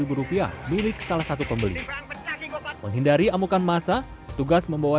cabai senilai dua ratus lima puluh rupiah milik salah satu pembeli menghindari amukan masa tugas membawa